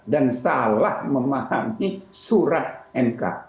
dan salah memahami surat mk